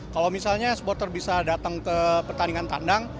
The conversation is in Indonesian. kalau misalnya supporter bisa datang ke pertandingan tandang